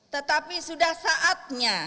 tetapi sudah saatnya